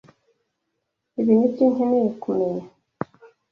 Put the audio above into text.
Ibi nibyo nkeneye kumenya.